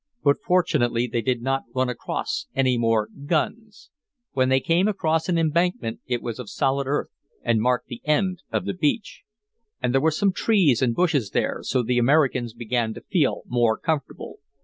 But fortunately they did not run across any more "guns." When they came across an embankment it was of solid earth and marked the end of the beach. And there were some trees and bushes there, so the Americans began to feel more comfortable.